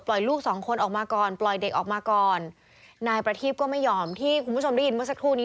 ลูกสองคนออกมาก่อนปล่อยเด็กออกมาก่อนนายประทีพก็ไม่ยอมที่คุณผู้ชมได้ยินเมื่อสักครู่นี้